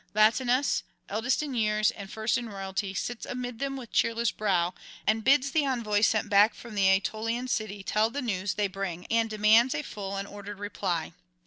Latinus, eldest in years and first in royalty, sits amid them with cheerless brow, and bids the envoys sent back from the Aetolian city tell the news they bring, and demands a full and ordered reply.